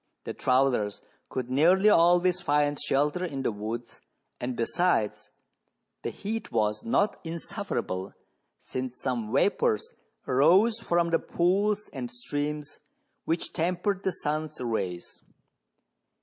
The travellers could nearly always find shelter in the woods, and, besides, the heat was ncft insufferable, since some vapours arose from the pools and streams which tempered the sun's rays.